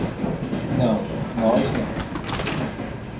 Não, nós não!